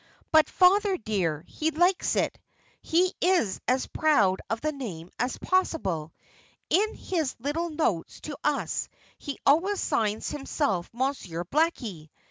"But, father, dear, he likes it. He is as proud of the name as possible. In his little notes to us he always signs himself 'Monsieur Blackie.'"